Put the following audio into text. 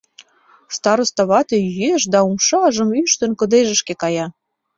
Староста вате йӱэш да, умшажым ӱштын, кыдежышке кая.